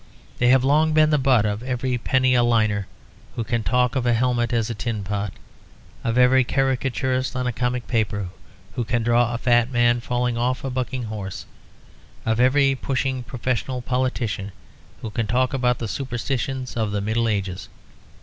They have long been the butt of every penny a liner who can talk of a helmet as a tin pot, of every caricaturist on a comic paper who can draw a fat man falling off a bucking horse; of every pushing professional politician who can talk about the superstitions of the Middle Ages.